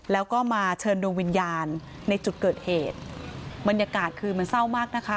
แล้วก็มาเชิญดวงวิญญาณในจุดเกิดเหตุบรรยากาศคือมันเศร้ามากนะคะ